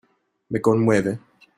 me conmueve.